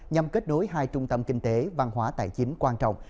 nhằm kết nối hai trung tâm kinh tế văn hóa tài chính quan trọng